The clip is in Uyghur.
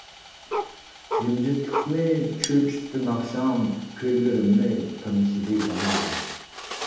جىمجىتلىقنى چۆچۈتتى ناخشام، كۈيلىرىمنى تىڭشىدى دالا.